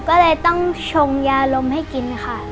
ก็เลยต้องชงยาลมให้กินค่ะ